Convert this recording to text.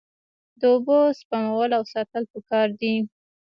د اوبو سپمول او ساتل پکار دي.